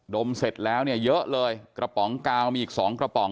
มเสร็จแล้วเนี่ยเยอะเลยกระป๋องกาวมีอีกสองกระป๋อง